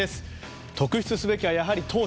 特筆すべきは、やはり投手。